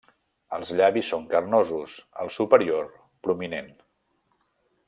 Els llavis són carnosos, el superior prominent.